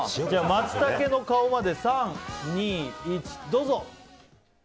マツタケの顔まで３、２、１どうぞ。